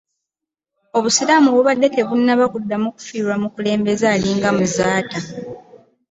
Obusiraamu bubadde tebunnaba kuddamu kufiirwa mukulembeze alinga Muzaata.